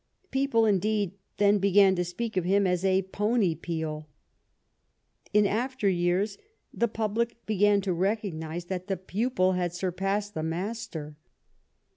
People, indeed, then began to speak of him as a "pony Peel." In after years the public began to recognize that the pupil had surpassed the master.